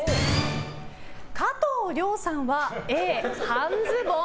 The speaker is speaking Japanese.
加藤諒さんはＡ、半ズボン？